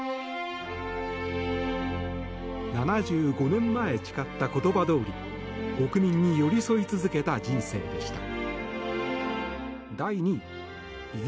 ７５年前、誓った言葉どおり国民に寄り添い続けた人生でした。